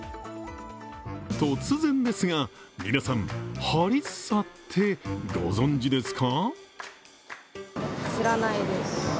突然ですが、皆さん、ハリッサってご存じですか？